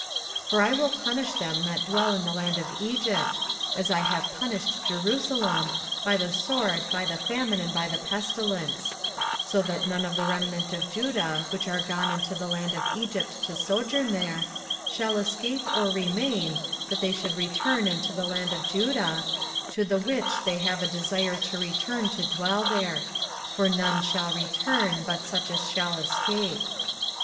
24:044:013 For I will punish them that dwell in the land of Egypt, as I have punished Jerusalem, by the sword, by the famine, and by the pestilence: 24:044:014 So that none of the remnant of Judah, which are gone into the land of Egypt to sojourn there, shall escape or remain, that they should return into the land of Judah, to the which they have a desire to return to dwell there: for none shall return but such as shall escape.